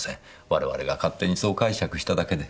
我々が勝手にそう解釈しただけで。